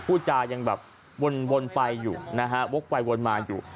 พูดจายังแบบวนไปอยู่นะฮะวกไปวนมาอยู่